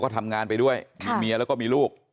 ทำงานไปด้วยมีเมียแล้วก็มีลูก